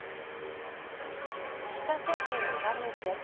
岸田政権へのダメージです。